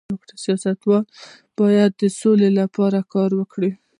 سیاستوال باید د سولې لپاره کار وکړي